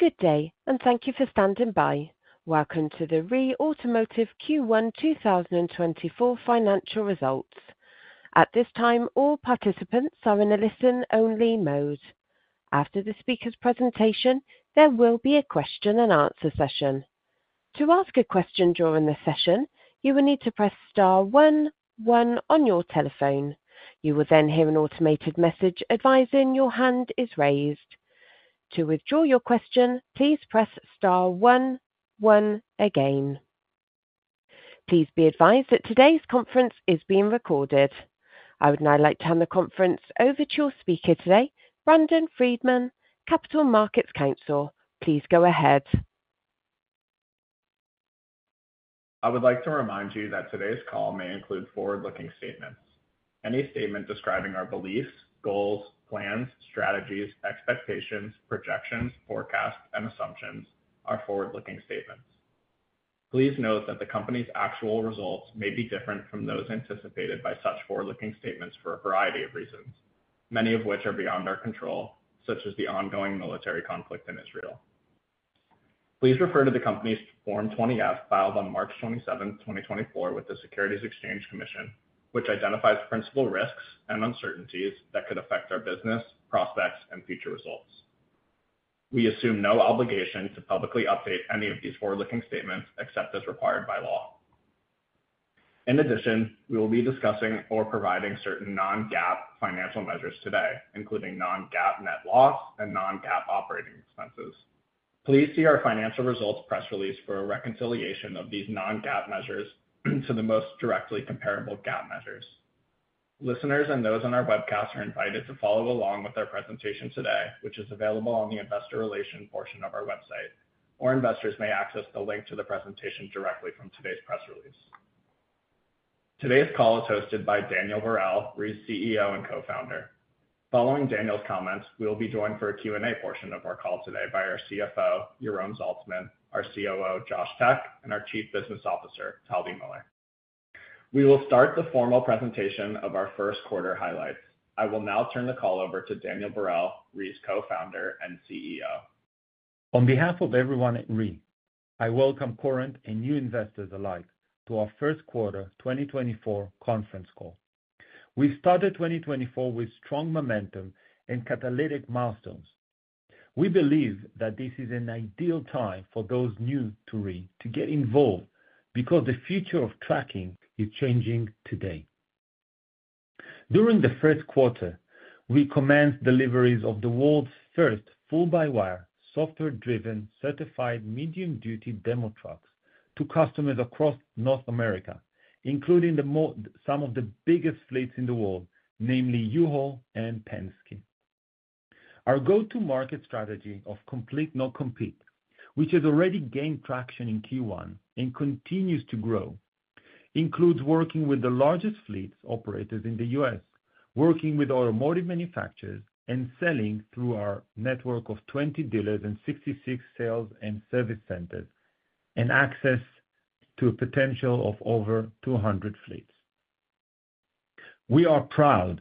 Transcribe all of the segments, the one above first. Good day, and thank you for standing by. Welcome to the REE Automotive Q1 2024 financial results. At this time, all participants are in a listen-only mode. After the speaker's presentation, there will be a question and answer session. To ask a question during the session, you will need to press star one one on your telephone. You will then hear an automated message advising your hand is raised. To withdraw your question, please press star one one again. Please be advised that today's conference is being recorded. I would now like to turn the conference over to your speaker today, Brandon Friedman, Capital Markets Counsel. Please go ahead. I would like to remind you that today's call may include forward-looking statements. Any statement describing our beliefs, goals, plans, strategies, expectations, projections, forecasts, and assumptions are forward-looking statements. Please note that the company's actual results may be different from those anticipated by such forward-looking statements for a variety of reasons, many of which are beyond our control, such as the ongoing military conflict in Israel. Please refer to the company's Form 20-F, filed on March 27, 2024, with the Securities and Exchange Commission, which identifies principal risks and uncertainties that could affect our business, prospects, and future results. We assume no obligation to publicly update any of these forward-looking statements except as required by law. In addition, we will be discussing or providing certain non-GAAP financial measures today, including non-GAAP net loss and non-GAAP operating expenses. Please see our financial results press release for a reconciliation of these non-GAAP measures to the most directly comparable GAAP measures. Listeners and those on our webcast are invited to follow along with our presentation today, which is available on the investor relation portion of our website, or investors may access the link to the presentation directly from today's press release. Today's call is hosted by Daniel Barel, REE's CEO and co-founder. Following Daniel's comments, we will be joined for a Q&A portion of our call today by our CFO, Yaron Zaltsman, our COO, Josh Tech, and our Chief Business Officer, Tali Miller. We will start the formal presentation of our first quarter highlights. I will now turn the call over to Daniel Barel, REE's co-founder and CEO. On behalf of everyone at REE, I welcome current and new investors alike to our first quarter 2024 conference call. We started 2024 with strong momentum and catalytic milestones. We believe that this is an ideal time for those new to REE to get involved, because the future of trucking is changing today. During the first quarter, we commenced deliveries of the world's first full-by-wire, software-driven, certified medium-duty demo trucks to customers across North America, including some of the biggest fleets in the world, namely U-Haul and Penske. Our go-to-market strategy of complete, not compete, which has already gained traction in Q1 and continues to grow, includes working with the largest fleets operators in the U.S., working with automotive manufacturers, and selling through our network of 20 dealers and 66 sales and service centers, and access to a potential of over 200 fleets. We are proud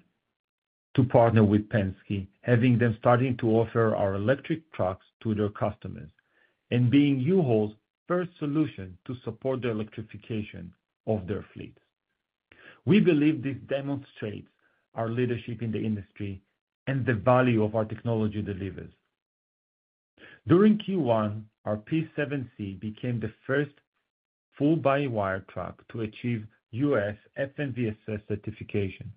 to partner with Penske, having them starting to offer our electric trucks to their customers, and being U-Haul's first solution to support the electrification of their fleets. We believe this demonstrates our leadership in the industry and the value of our technology delivers. During Q1, our P7-C became the first full-by-wire truck to achieve U.S. FMVSS certification,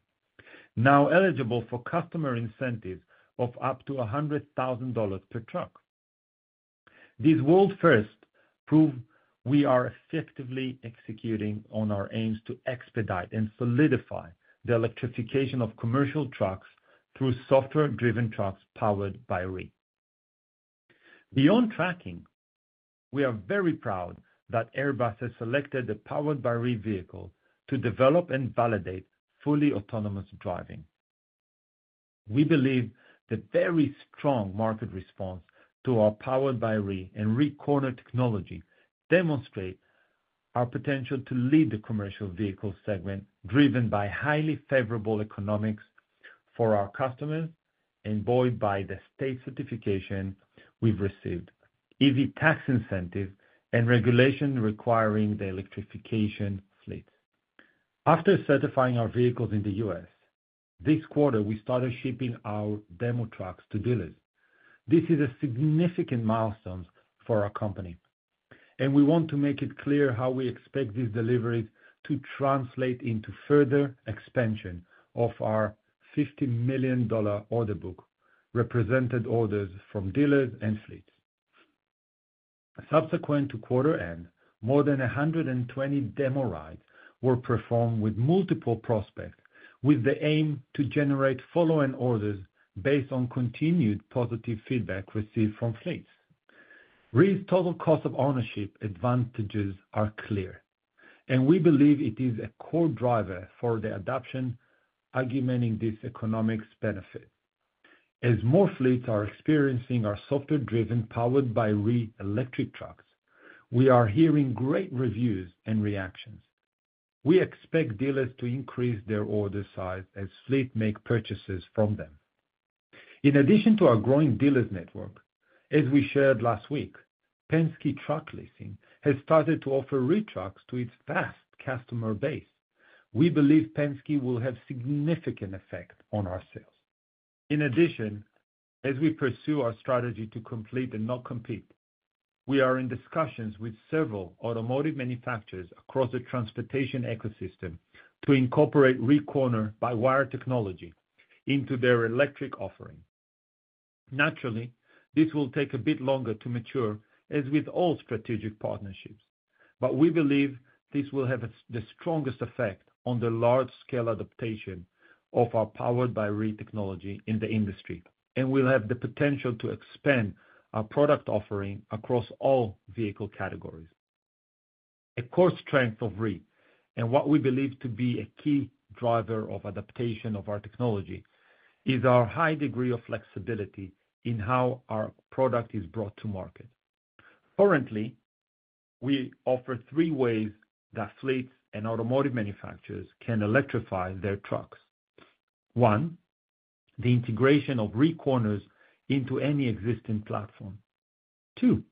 now eligible for customer incentives of up to $100,000 per truck. This world first prove we are effectively executing on our aims to expedite and solidify the electrification of commercial trucks through software-driven trucks powered by REE. Beyond tracking, we are very proud that Airbus has selected the Powered by REE vehicle to develop and validate fully autonomous driving. We believe the very strong market response to our Powered by REE and REEcorner technology demonstrate our potential to lead the commercial vehicle segment, driven by highly favorable economics for our customers and buoyed by the U.S. certification we've received, EV tax incentive and regulation requiring the electrification of fleets. After certifying our vehicles in the U.S., this quarter, we started shipping our demo trucks to dealers. This is a significant milestone for our company, and we want to make it clear how we expect these deliveries to translate into further expansion of our $50 million order book representing orders from dealers and fleets. Subsequent to quarter end, more than 120 demo rides were performed with multiple prospects, with the aim to generate follow-in orders based on continued positive feedback received from fleets. REE's total cost of ownership advantages are clear, and we believe it is a core driver for the adoption, augmenting this economics benefit. As more fleets are experiencing our software-driven, powered-by-REE electric trucks, we are hearing great reviews and reactions. We expect dealers to increase their order size as fleet make purchases from them. In addition to our growing dealers network, as we shared last week, Penske Truck Leasing has started to offer REE trucks to its vast customer base. We believe Penske will have significant effect on our sales. In addition, as we pursue our strategy to complete and not compete, we are in discussions with several automotive manufacturers across the transportation ecosystem to incorporate REEcorner by-wire technology into their electric offering. Naturally, this will take a bit longer to mature, as with all strategic partnerships, but we believe this will have its, the strongest effect on the large-scale adaptation of our Powered by REE technology in the industry, and will have the potential to expand our product offering across all vehicle categories. A core strength of REE, and what we believe to be a key driver of adaptation of our technology, is our high degree of flexibility in how our product is brought to market. Currently, we offer three ways that fleets and automotive manufacturers can electrify their trucks. One, the integration of REEcorners into any existing platform. Two,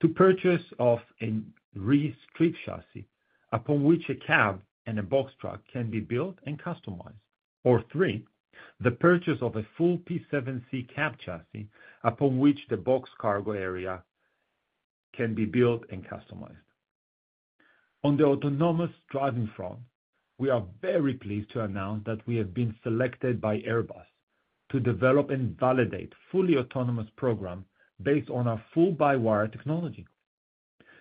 the purchase of a REE stripped chassis, upon which a cab and a box truck can be built and customized. Or three, the purchase of a full P7-C cab chassis, upon which the box cargo area can be built and customized. On the autonomous driving front, we are very pleased to announce that we have been selected by Airbus to develop and validate fully autonomous program based on our full-by-wire technology.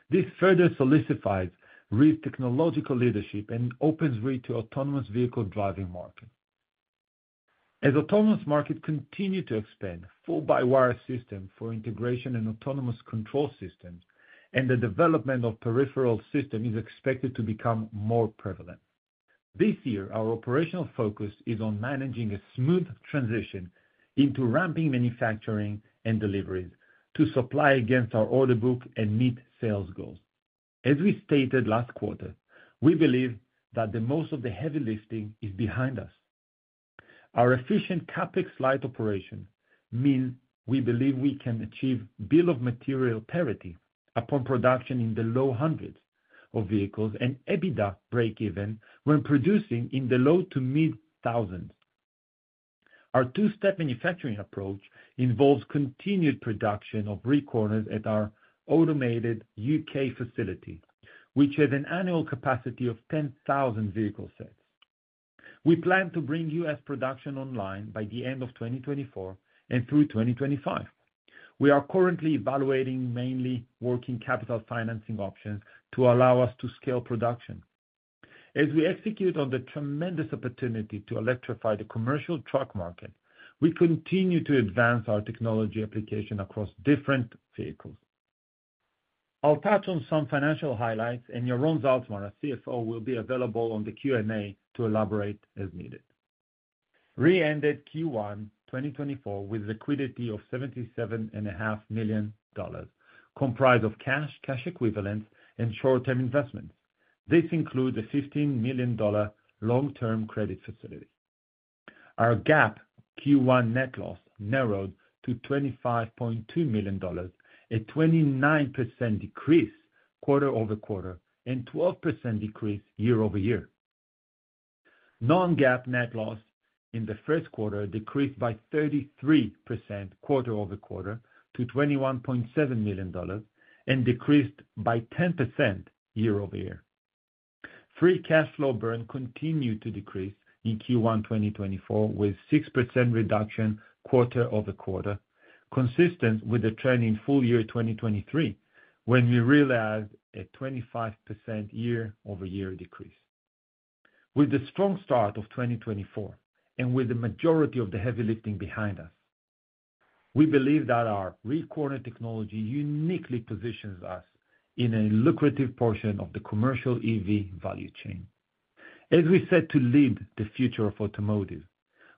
This further solidifies REE's technological leadership and opens REE to autonomous vehicle driving market. As autonomous market continue to expand, full-by-wire system for integration and autonomous control systems and the development of peripheral system is expected to become more prevalent. This year, our operational focus is on managing a smooth transition into ramping manufacturing and deliveries to supply against our order book and meet sales goals. As we stated last quarter, we believe that the most of the heavy lifting is behind us. Our efficient CapEx light operation means we believe we can achieve bill of material parity upon production in the low hundreds of vehicles and EBITDA breakeven when producing in the low to mid thousands. Our two-step manufacturing approach involves continued production of REE corners at our automated U.K. facility, which has an annual capacity of 10,000 vehicle sets. We plan to bring U.S. production online by the end of 2024 and through 2025. We are currently evaluating mainly working capital financing options to allow us to scale production. As we execute on the tremendous opportunity to electrify the commercial truck market, we continue to advance our technology application across different vehicles. I'll touch on some financial highlights, and Yaron Zaltsman, our CFO, will be available on the Q&A to elaborate as needed. REE ended Q1 2024 with liquidity of $77.5 million, comprised of cash, cash equivalents, and short-term investments. This includes a $15 million long-term credit facility. Our GAAP Q1 net loss narrowed to $25.2 million, a 29% decrease quarter-over-quarter, and 12% decrease year-over-year. Non-GAAP net loss in the first quarter decreased by 33% quarter-over-quarter to $21.7 million and decreased by 10% year-over-year. Free cash flow burn continued to decrease in Q1 2024, with 6% reduction quarter-over-quarter, consistent with the trend in full-year 2023, when we realized a 25% year-over-year decrease. With the strong start of 2024, and with the majority of the heavy lifting behind us, we believe that our REEcorner technology uniquely positions us in a lucrative portion of the commercial EV value chain. As we set to lead the future of automotive,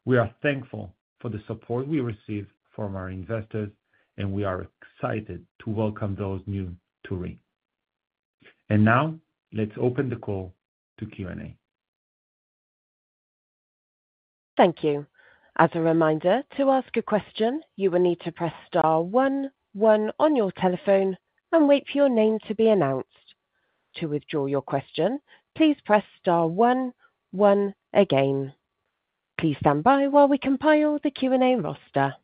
we are thankful for the support we receive from our investors, and we are excited to welcome those new to REE. Now, let's open the call to Q&A. Thank you. As a reminder, to ask a question, you will need to press star one one on your telephone and wait for your name to be announced. To withdraw your question, please press star one one again. Please stand by while we compile the Q&A roster.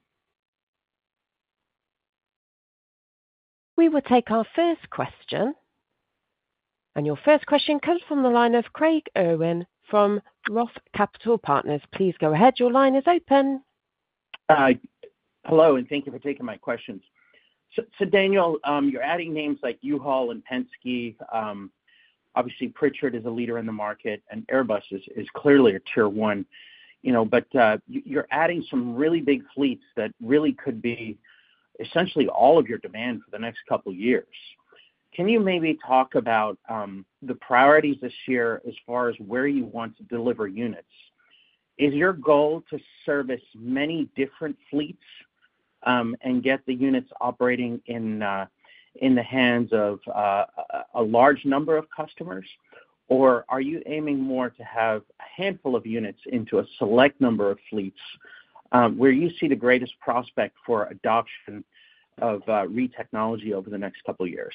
We will take our first question, and your first question comes from the line of Craig Irwin from Roth Capital Partners. Please go ahead. Your line is open. Hello, and thank you for taking my questions. So, Daniel, you're adding names like U-Haul and Penske. Obviously Pritchard is a leader in the market and Airbus is clearly a tier one, you know. But, you're adding some really big fleets that really could be essentially all of your demand for the next couple years. Can you maybe talk about the priorities this year as far as where you want to deliver units? Is your goal to service many different fleets and get the units operating in the hands of a large number of customers? Or are you aiming more to have a handful of units into a select number of fleets where you see the greatest prospect for adoption of REE technology over the next couple of years?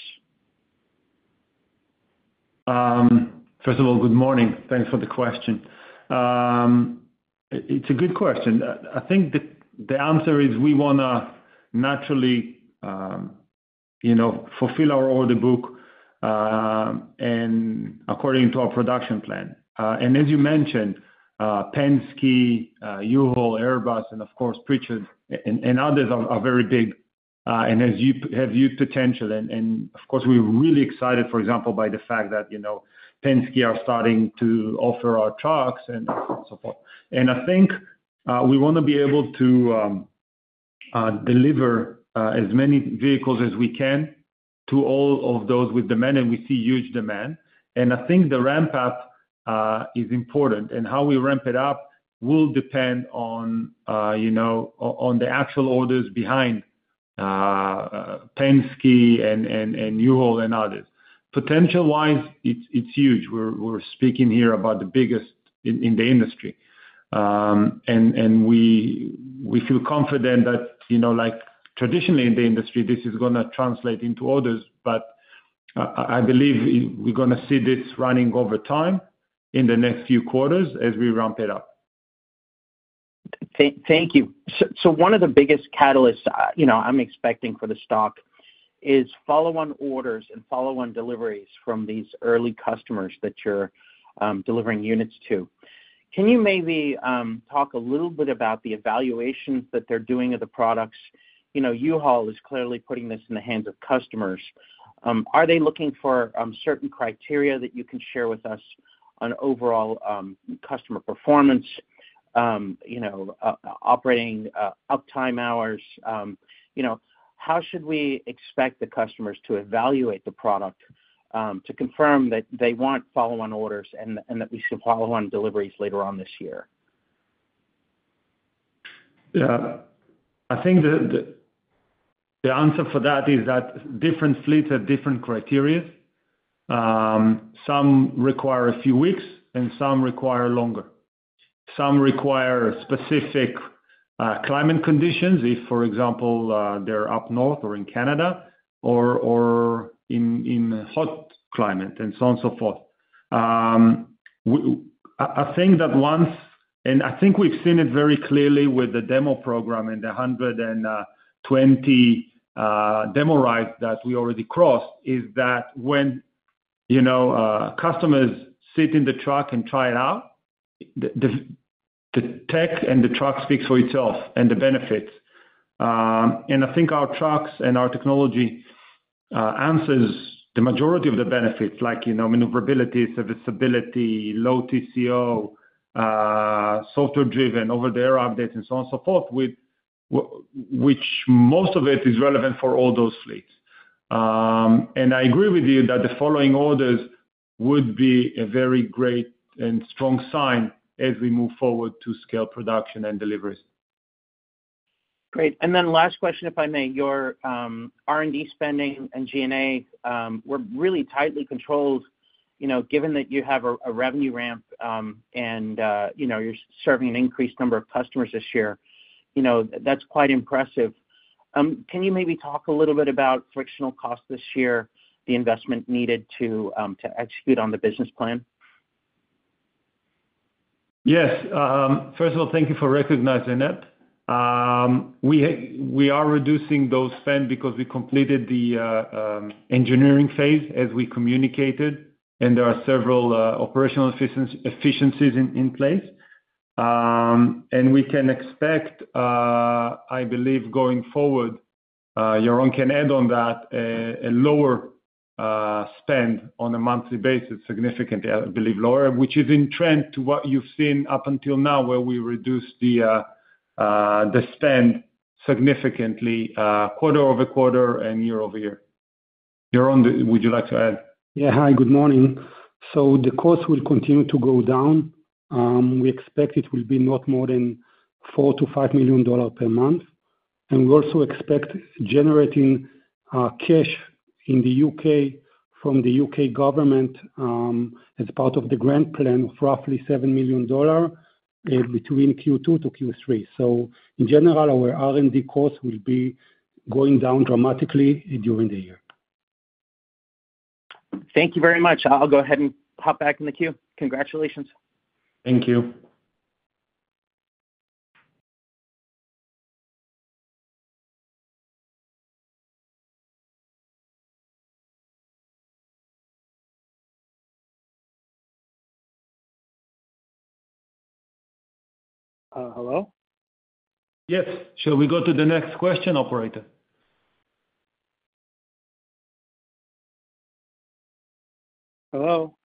First of all, good morning. Thanks for the question. It's a good question. I think the answer is we wanna naturally, you know, fulfill our order book, and according to our production plan. And as you mentioned, Penske, U-Haul, Airbus, and of course, Pritchard, and others are very big, and they have huge potential. And of course, we're really excited, for example, by the fact that, you know, Penske are starting to offer our trucks and so forth. And I think we wanna be able to deliver as many vehicles as we can to all of those with demand, and we see huge demand. And I think the ramp up is important, and how we ramp it up will depend on, you know, on the actual orders behind Penske and U-Haul and others. Potential-wise, it's huge. We're speaking here about the biggest in the industry. And we feel confident that, you know, like traditionally in the industry, this is gonna translate into orders, but I believe we're gonna see this running over time in the next few quarters as we ramp it up. Thank you. So one of the biggest catalysts, you know, I'm expecting for the stock is follow-on orders and follow-on deliveries from these early customers that you're delivering units to. Can you maybe talk a little bit about the evaluations that they're doing of the products? You know, U-Haul is clearly putting this in the hands of customers. Are they looking for certain criteria that you can share with us on overall customer performance, you know, operating uptime hours? You know, how should we expect the customers to evaluate the product to confirm that they want follow-on orders and that we see follow-on deliveries later on this year? Yeah. I think the answer for that is that different fleets have different criteria. Some require a few weeks, and some require longer. Some require specific climate conditions, if, for example, they're up north or in Canada or in hot climate, and so on, so forth. I think that once, And I think we've seen it very clearly with the demo program and the 120 demo rides that we already crossed, is that when, you know, customers sit in the truck and try it out, the tech and the truck speaks for itself, and the benefits. And I think our trucks and our technology answers the majority of the benefits, like, you know, maneuverability, serviceability, low TCO, software-driven, over-the-air updates, and so on and so forth, with which most of it is relevant for all those fleets. And I agree with you that the following orders would be a very great and strong sign as we move forward to scale production and deliveries. Great. Last question, if I may. Your R&D spending and G&A were really tightly controlled. You know, given that you have a revenue ramp, and you know, you're serving an increased number of customers this year, you know, that's quite impressive. Can you maybe talk a little bit about frictional costs this year, the investment needed to execute on the business plan? Yes. First of all, thank you for recognizing it. We are reducing those spend because we completed the engineering phase as we communicated, and there are several operational efficiencies in place. And we can expect, I believe, going forward, Yaron can add on that, a lower spend on a monthly basis, significantly, I believe, lower, which is in trend to what you've seen up until now, where we reduced the spend significantly, quarter-over-quarter and year-over-year. Yaron, would you like to add? Yeah. Hi, good morning. So the cost will continue to go down. We expect it will be not more than $4 million-$5 million per month, and we also expect generating cash in the UK from the UK government as part of the grant plan of roughly $7 million between Q2 to Q3. So in general, our R&D costs will be going down dramatically during the year. Thank you very much. I'll go ahead and hop back in the queue. Congratulations. Thank you. Uh, hello? Yes. Shall we go to the next question, operator? Hello?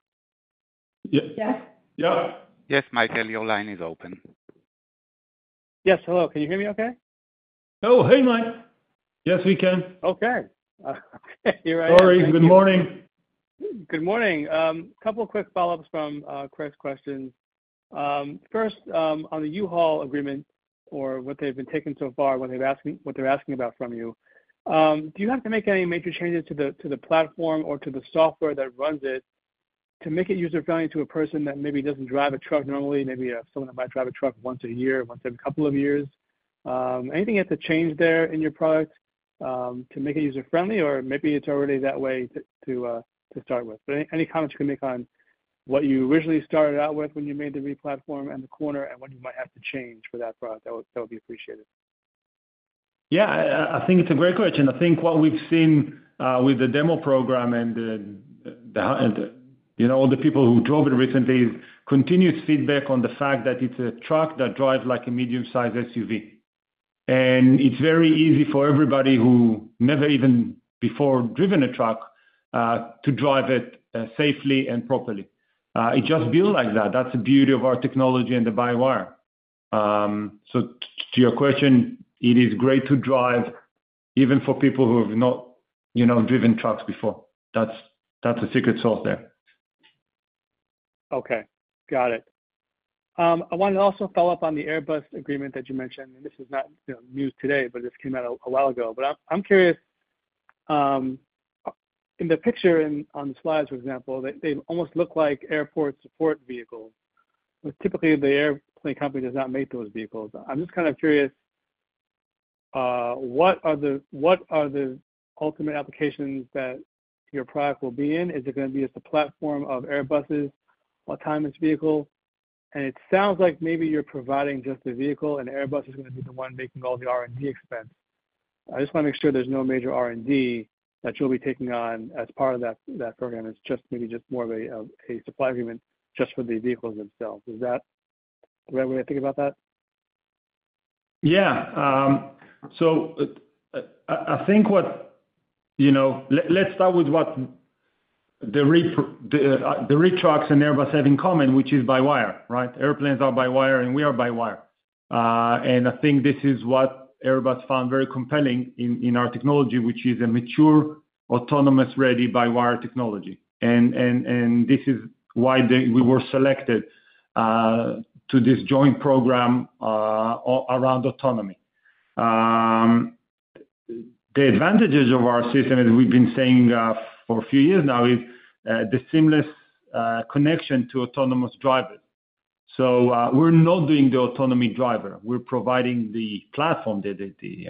Yeah. Yeah? Yeah. Yes, Michael, your line is open. Yes, hello. Can you hear me okay? Oh, hey, Mike. Yes, we can. Okay. Here I am. Sorry, good morning. Good morning. Couple of quick follow-ups from Craig's questions. First, on the U-Haul agreement or what they've been taking so far, what they're asking about from you, do you have to make any major changes to the platform or to the software that runs it, to make it user-friendly to a person that maybe doesn't drive a truck normally, maybe someone that might drive a truck once a year, once in a couple of years? Anything you have to change there in your product, to make it user-friendly, or maybe it's already that way to start with? But any comments you can make on what you originally started out with when you made the replatform and the corner, and what you might have to change for that product, that would be appreciated. Yeah, I think it's a great question. I think what we've seen with the demo program and the you know, all the people who drove it recently, continuous feedback on the fact that it's a truck that drives like a medium-sized SUV. And it's very easy for everybody who never even before driven a truck to drive it safely and properly. It just built like that. That's the beauty of our technology and the by-wire. So to your question, it is great to drive, even for people who have not you know, driven trucks before. That's, that's the secret sauce there. Okay, got it. I wanted to also follow up on the Airbus agreement that you mentioned, and this is not, you know, news today, but this came out a while ago. But I'm curious, in the picture and on the slides, for example, they almost look like airport support vehicles, but typically, the airplane company does not make those vehicles. I'm just kind of curious, what are the ultimate applications that your product will be in? Is it gonna be just a platform of Airbuses, autonomous vehicle? And it sounds like maybe you're providing just the vehicle and Airbus is gonna be the one making all the R&D expense. I just wanna make sure there's no major R&D that you'll be taking on as part of that program. It's just maybe just more of a, a supply agreement just for the vehicles themselves. Is that the right way to think about that? Yeah, so I think what, You know, let's start with what the REE trucks and Airbus have in common, which is by-wire, right? Airplanes are by-wire, and we are by-wire. And I think this is what Airbus found very compelling in our technology, which is a mature, autonomous-ready by-wire technology. And this is why we were selected to this joint program around autonomy. The advantages of our system, as we've been saying, for a few years now, is the seamless connection to autonomous driving. So, we're not doing the autonomy driver. We're providing the platform, the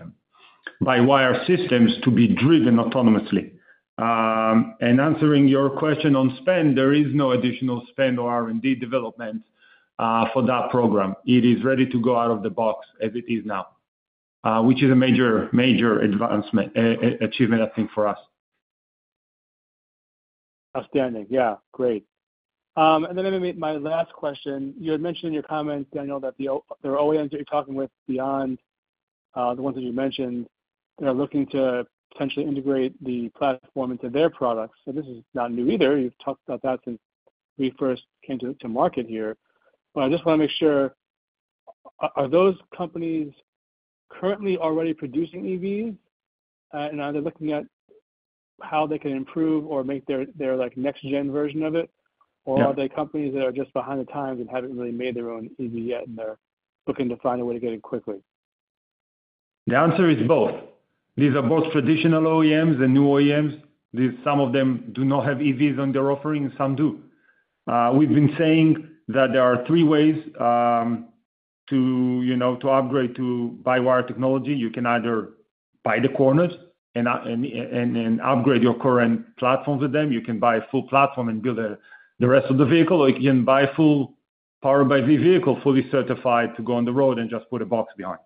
by-wire systems to be driven autonomously. And answering your question on spend, there is no additional spend or R&D development for that program. It is ready to go out of the box as it is now, which is a major, major advancement, achievement, I think, for us. Outstanding. Yeah, great. And then maybe my last question: You had mentioned in your comments, Daniel, that there are OEMs that you're talking with beyond the ones that you mentioned, that are looking to potentially integrate the platform into their products. So this is not new either. You've talked about that since we first came to market here. But I just wanna make sure, are those companies currently already producing EVs, and are they looking at how they can improve or make their like next gen version of it? Yeah. Or are they companies that are just behind the times and haven't really made their own EV yet, and they're looking to find a way to get it quickly? The answer is both. These are both traditional OEMs and new OEMs. These, some of them do not have EVs on their offering, some do. We've been saying that there are three ways, you know, to upgrade to by-wire technology. You can either buy the corners and upgrade your current platforms with them. You can buy a full platform and build the rest of the vehicle, or you can buy a full by-wire vehicle, fully certified to go on the road and just put a box behind.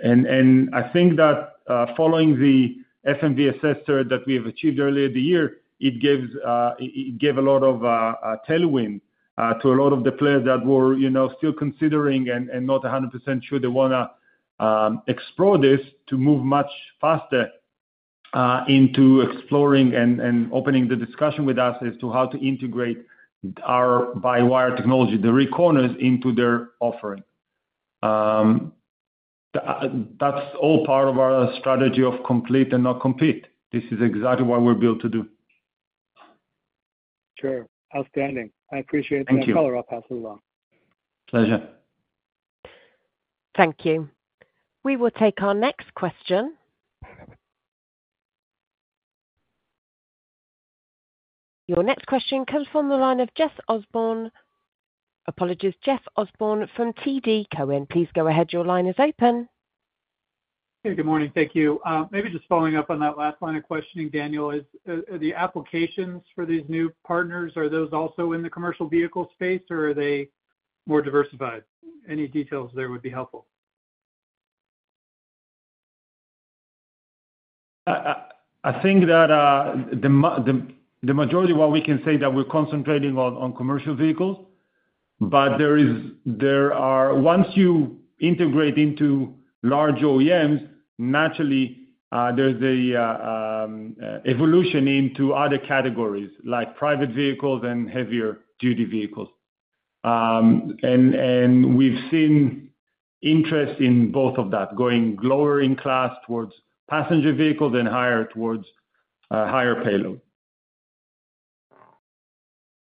And I think that, following the FMVSS that we have achieved earlier in the year, it gives, it gave a lot of tailwind to a lot of the players that were, you know, still considering and not a hundred percent sure they wanna explore this, to move much faster into exploring and opening the discussion with us as to how to integrate our by-wire technology, the REEcorner, into their offering. That's all part of our strategy of cooperate and not compete. This is exactly what we're built to do. Sure. Outstanding. I appreciate it. Thank you. I'll pass it along. Pleasure. Thank you. We will take our next question. Your next question comes from the line of Jeff Osborne. Apologies, Jeff Osborne from TD Cowen. Please go ahead. Your line is open. Hey, good morning. Thank you. Maybe just following up on that last line of questioning, Daniel, is, are the applications for these new partners, are those also in the commercial vehicle space, or are they more diversified? Any details there would be helpful. I think that the majority, what we can say, that we're concentrating on commercial vehicles, but there is... There are once you integrate into large OEMs, naturally there's an evolution into other categories, like private vehicles and heavier duty vehicles. And we've seen interest in both of that, going lower in class towards passenger vehicles and higher towards higher payload.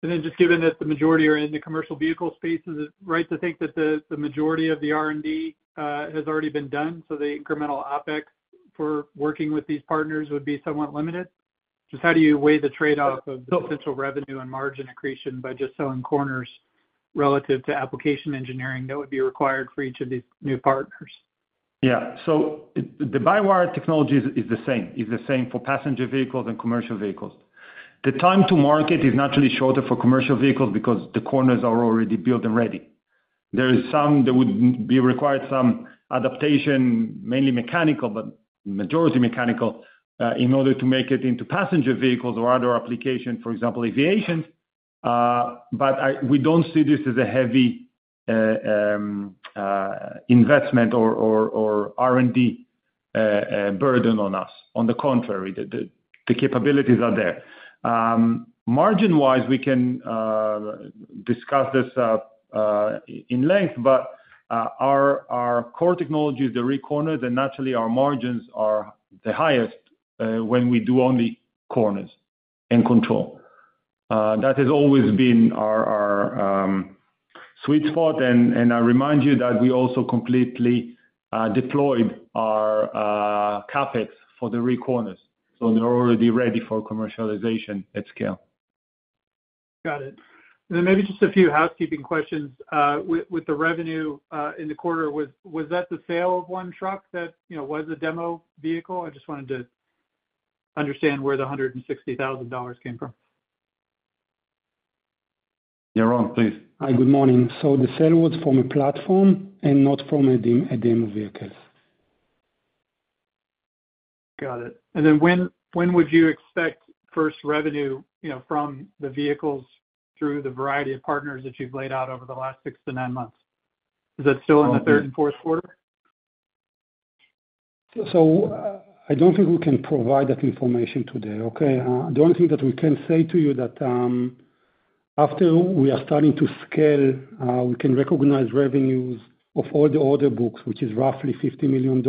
And then just given that the majority are in the commercial vehicle space, is it right to think that the majority of the R&D has already been done, so the incremental OpEx for working with these partners would be somewhat limited? Just how do you weigh the trade-off of- No potential revenue and margin accretion by just selling corners relative to application engineering that would be required for each of these new partners? Yeah. So the by-wire technology is the same for passenger vehicles and commercial vehicles. The time to market is naturally shorter for commercial vehicles because the corners are already built and ready. There is some that would be required, some adaptation, mainly mechanical, but majority mechanical, in order to make it into passenger vehicles or other application, for example, aviation. But we don't see this as a heavy investment or R&D burden on us. On the contrary, the capabilities are there. Margin-wise, we can discuss this in length, but our core technology is the REEcorner, and naturally, our margins are the highest when we do only corners and control. That has always been our sweet spot, and I remind you that we also completely deployed our CapEx for the REEcorners, so they're already ready for commercialization at scale. Got it. And then maybe just a few housekeeping questions. With the revenue in the quarter, was that the sale of one truck that, you know, was a demo vehicle? I just wanted to understand where the $160,000 came from. Yaron, please. Hi, good morning. So the sale was from a platform and not from a demo vehicle. Got it. Then when would you expect first revenue, you know, from the vehicles through the variety of partners that you've laid out over the last six to nine 9 months? Is that still in the third and fourth quarter? So I don't think we can provide that information today, okay? The only thing that we can say to you that, after we are starting to scale, we can recognize revenues of all the order books, which is roughly $50 million,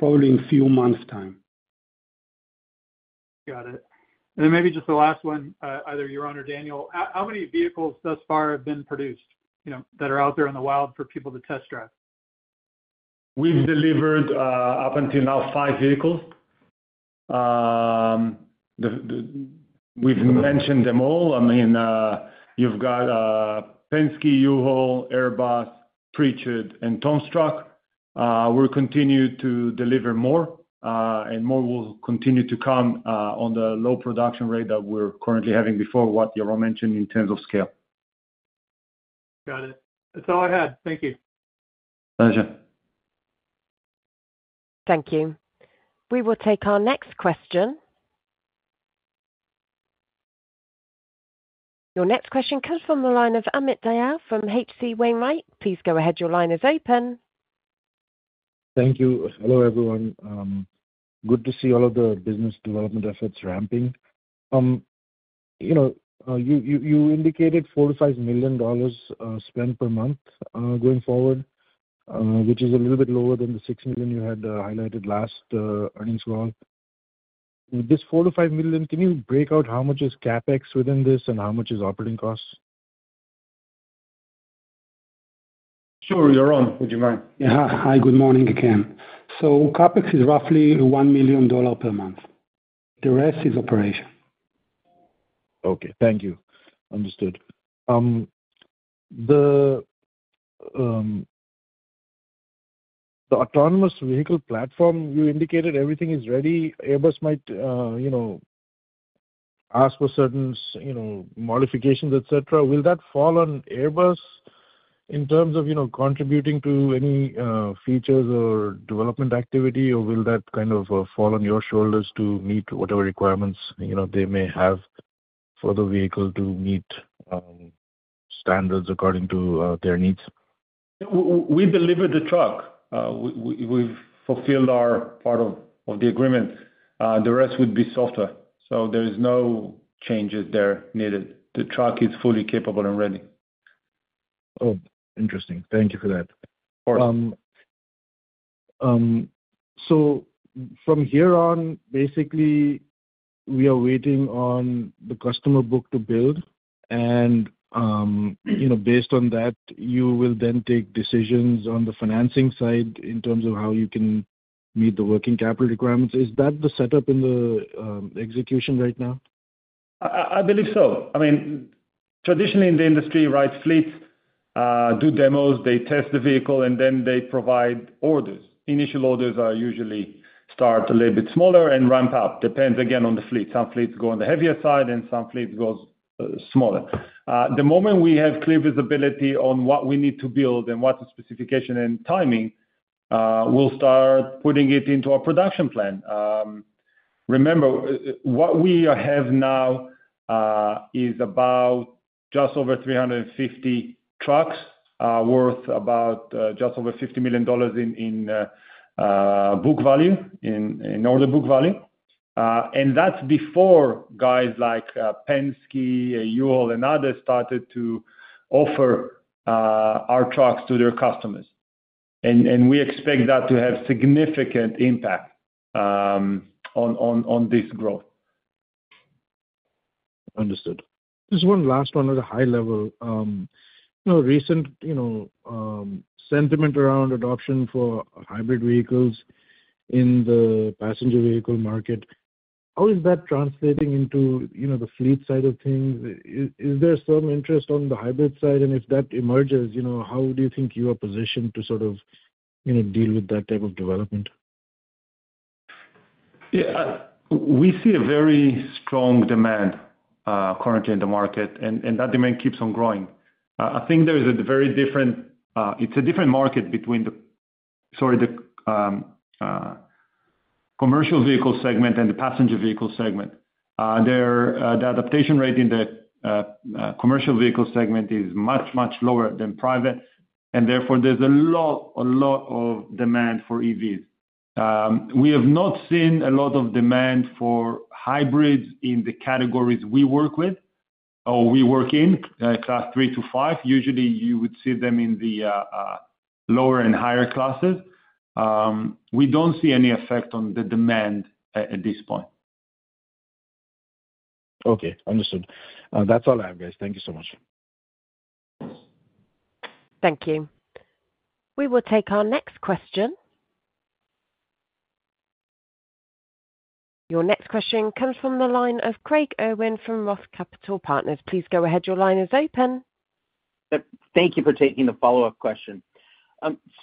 probably in few months' time. Got it. And then maybe just the last one, either Yaron or Daniel. How many vehicles thus far have been produced, you know, that are out there in the wild for people to test drive? We've delivered up until now, five vehicles. We've mentioned them all. I mean, you've got Penske, U-Haul, Airbus, Pritchard, and Tom's Truck Center. We'll continue to deliver more, and more will continue to come on the low production rate that we're currently having before what Yaron mentioned in terms of scale. Got it. That's all I had. Thank you. Pleasure. Thank you. We will take our next question. Your next question comes from the line of Amit Dayal from H.C. Wainwright. Please go ahead. Your line is open. Thank you. Hello, everyone. Good to see all of the business development efforts ramping. You know, you indicated $4 million-$5 million spent per month going forward, which is a little bit lower than the $6 million you had highlighted last earnings call. This $4 million-$5 million, can you break out how much is CapEx within this and how much is operating costs? Sure. Yaron, would you mind? Yeah. Hi, good morning again. CapEx is roughly $1 million per month. The rest is operation. Okay. Thank you. Understood. The autonomous vehicle platform, you indicated everything is ready. Airbus might, you know, ask for certain, you know, modifications, et cetera. Will that fall on Airbus in terms of, you know, contributing to any, features or development activity, or will that kind of, fall on your shoulders to meet whatever requirements, you know, they may have for the vehicle to meet, standards according to, their needs? We delivered the truck. We've fulfilled our part of the agreement. The rest would be software, so there is no changes there needed. The truck is fully capable and ready. Oh, interesting. Thank you for that. Of course. From here on, basically, we are waiting on the customer book to build and, you know, based on that, you will then take decisions on the financing side in terms of how you can meet the working capital requirements. Is that the setup in the execution right now? I believe so. I mean, traditionally in the industry, right, fleets do demos, they test the vehicle, and then they provide orders. Initial orders are usually start a little bit smaller and ramp up. Depends, again, on the fleet. Some fleets go on the heavier side, and some fleets goes smaller. The moment we have clear visibility on what we need to build and what the specification and timing, we'll start putting it into our production plan. Remember, what we have now is about just over 350 trucks worth about just over $50 million in book value, in order book value. And that's before guys like Penske, U-Haul, and others started to offer our trucks to their customers, and we expect that to have significant impact on this growth. Understood. Just one last one at a high level. You know, recent, you know, sentiment around adoption for hybrid vehicles in the passenger vehicle market, how is that translating into, you know, the fleet side of things? Is, is there some interest on the hybrid side? And if that emerges, you know, how do you think you are positioned to sort of, you know, deal with that type of development? Yeah, we see a very strong demand currently in the market, and that demand keeps on growing. I think it's a different market between the commercial vehicle segment and the passenger vehicle segment. The adoption rate in the commercial vehicle segment is much lower than private, and therefore there's a lot of demand for EVs. We have not seen a lot of demand for hybrids in the categories we work with or we work in, class three to five. Usually you would see them in the lower and higher classes. We don't see any effect on the demand at this point. Okay, understood. That's all I have, guys. Thank you so much. Thank you. We will take our next question. Your next question comes from the line of Craig Irwin from Roth Capital Partners. Please go ahead. Your line is open. Thank you for taking the follow-up question.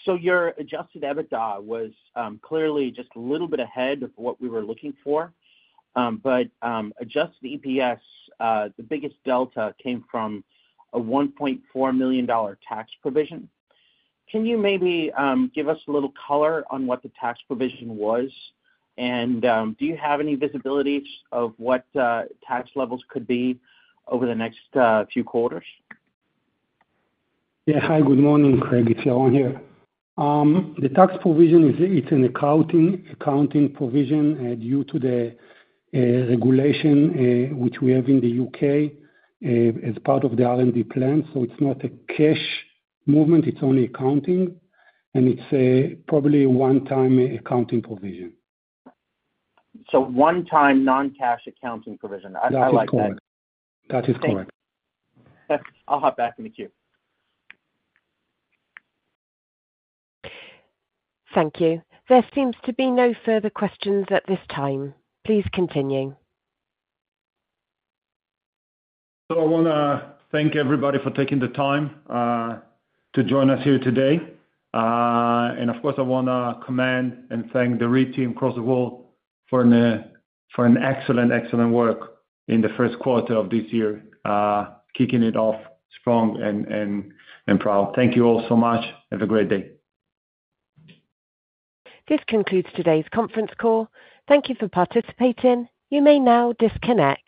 So your adjusted EBITDA was clearly just a little bit ahead of what we were looking for. But adjusted EPS, the biggest delta came from a $1.4 million tax provision. Can you maybe give us a little color on what the tax provision was? And do you have any visibility of what tax levels could be over the next few quarters? Yeah. Hi, good morning, Craig. It's Yaron here. The tax provision is, it's an accounting, accounting provision due to the regulation which we have in the U.K. as part of the R&D plan. So it's not a cash movement, it's only accounting, and it's a probably one-time accounting provision. So one-time, non-cash accounting provision. I like that. That is correct. Thanks. I'll hop back in the queue. Thank you. There seems to be no further questions at this time. Please continue. So I wanna thank everybody for taking the time, to join us here today. And of course, I wanna commend and thank the REE team across the world for an excellent, excellent work in the first quarter of this year, kicking it off strong and proud. Thank you all so much. Have a great day. This concludes today's conference call. Thank you for participating. You may now disconnect.